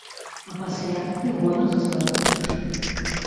А пасля і гонар за свайго вучня.